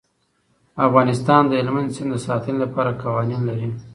افغانستان د هلمند سیند د ساتنې لپاره قوانین لري.